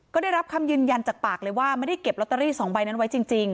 ก็ได้รับคำยืนยันจากปากเลยว่าไม่ได้เก็บลอตเตอรี่๒ใบนั้นไว้จริง